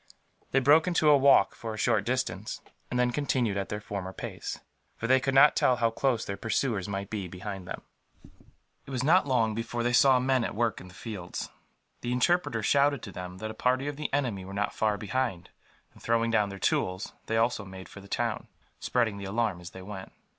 They broke into a walk, for a short distance; and then continued at their former pace, for they could not tell how close their pursuers might be behind them. It was not long before they saw men at work in the fields. The interpreter shouted to them that a party of the enemy were not far behind and, throwing down their tools, they also made for the town, spreading the alarm as they went.